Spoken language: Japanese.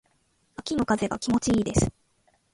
秋の風が気持ち良いです。